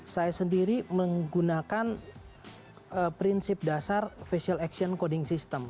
saya sendiri menggunakan prinsip dasar facial action coding system